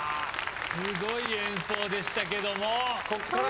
すごい演奏でしたけども。